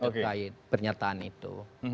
terkait pernyataan itu